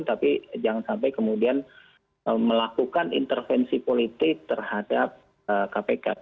tapi jangan sampai kemudian melakukan intervensi politik terhadap kpk